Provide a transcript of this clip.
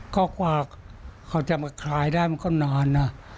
ก็กว่าเขาจะมาคลายได้มันก็นานนะ